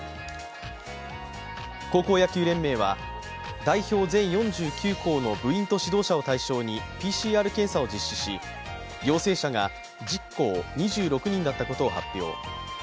高校野球連盟は、代表全４９校の部員と指導者を対象にＰＣＲ検査を実施し、陽性者が１０校、２６人だったことを発表。